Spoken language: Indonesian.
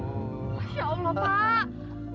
masya allah pak